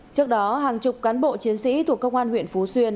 trước đó hàng chục cán bộ chiến sĩ thuộc công an huyện phú xuyên